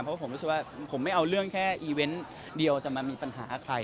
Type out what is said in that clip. เพราะผมรู้สึกว่าผมไม่เอาเรื่องแค่อีเวนต์เดียวจะมามีปัญหาใคร